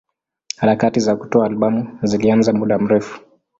Harakati za kutoa albamu zilianza muda mrefu.